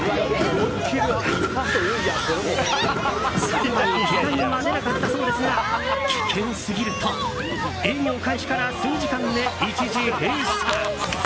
幸い、けが人は出なかったそうですが危険すぎると営業開始から数時間で一時閉鎖。